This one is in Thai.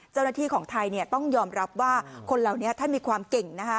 เจ้าหน้าที่ของไทยต้องยอมรับว่าคนเหล่านี้ท่านมีความเก่งนะคะ